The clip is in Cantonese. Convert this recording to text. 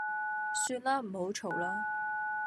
算啦，唔好嘈啦